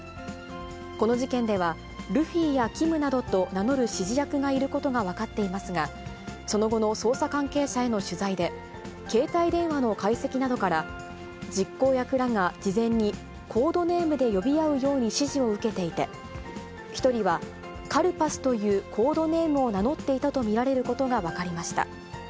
この事件では、ルフィやキムなどと名乗る指示役がいることが分かっていますが、その後の捜査関係者への取材で、携帯電話の解析などから、実行役らが事前にコードネームで呼び合うように指示を受けていて、１人はカルパスというコードネームを名乗っていたと見られることが分かりました。